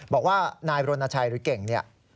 บอกว่านายรณชัยหรือเก่งเนี่ย